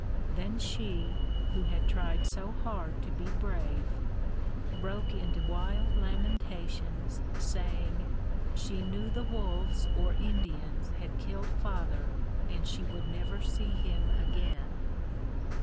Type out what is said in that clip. Then she, who had tried so hard to be brave, broke into wild lamentations, saying, she knew the wolves or Indians had killed father and she would never see him again.